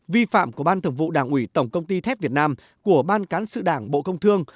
vi phạm của ban thường vụ đảng ủy tổng công ty thép việt nam của ban cán sự đảng bộ công thương